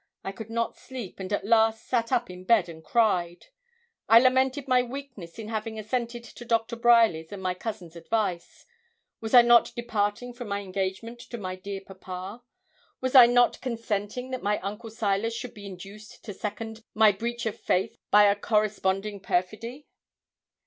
I could not sleep, and at last sat up in bed, and cried. I lamented my weakness in having assented to Doctor Bryerly's and my cousin's advice. Was I not departing from my engagement to my dear papa? Was I not consenting that my Uncle Silas should be induced to second my breach of faith by a corresponding perfidy?